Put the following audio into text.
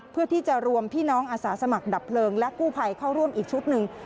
เพื่อที่จะรวมพี่น้องอาสาสมัครดับเพลิงและกู้ภัยเข้าร่วมอีกชุดหนึ่ง